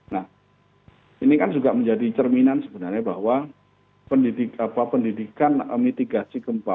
nah ini kan juga menjadi cerminan sebenarnya bahwa pendidikan mitigasi gempa